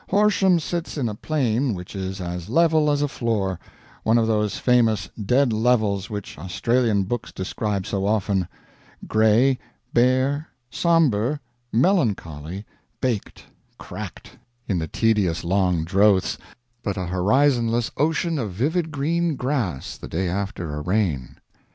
Horsham sits in a plain which is as level as a floor one of those famous dead levels which Australian books describe so often; gray, bare, sombre, melancholy, baked, cracked, in the tedious long drouths, but a horizonless ocean of vivid green grass the day after a rain.